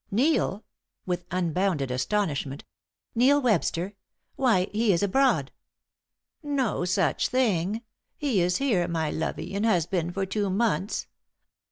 "Neil!" with unbounded astonishment, "Neil Webster! Why, he is abroad." "No such thing. He is here, my lovey, and has been for two months.